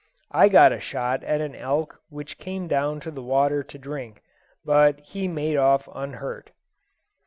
I got a shot at an elk which came down to the water to drink, but he made off unhurt.